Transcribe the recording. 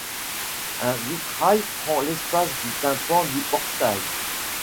Un vitrail prend l'espace du tympan du portail.